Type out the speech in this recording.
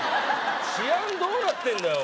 治安どうなってんだよ